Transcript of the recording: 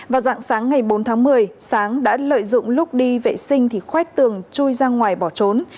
vào dạng sáng ngày bốn tháng một mươi sáng đã lợi dụng lúc đi vệ sinh thì khoét tường chui ra ngoài bỏ trốn